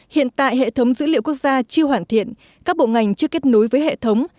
hiện tại hệ thống dữ liệu quốc gia chưa hoàn thiện các bộ ngành chưa kết nối với hệ thống